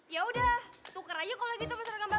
ya udah tukar aja kalau gitu sama seragam bapak